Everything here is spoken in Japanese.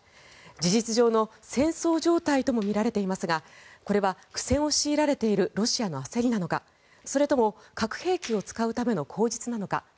事実上の戦争状態ともみられていますがこれは苦戦を強いられているロシアの焦りなのかそれとも核兵器を使うための口実なのか。